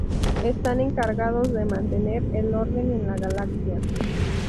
Están encargados de mantener el orden en la galaxia.